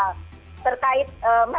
untuk memberikan kemampuan negara